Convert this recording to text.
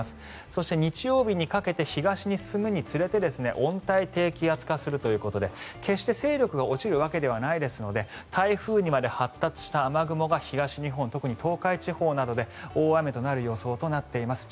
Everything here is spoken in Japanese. そして日曜日にかけて東に進むにつれて温帯低気圧化するということで決して、勢力が落ちるわけではないですので台風にまで発達した雨雲が東日本特に東海地方などで大雨となる予想となっています。